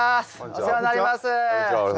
お世話になります。